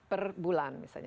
per bulan misalnya